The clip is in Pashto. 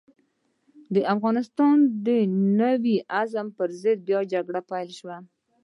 د افغانستان د نوي عزم پر ضد بيا جګړه پيل شوه.